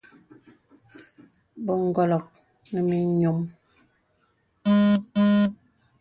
Bə ǹgɔlɔk nɔ mì nyɔm.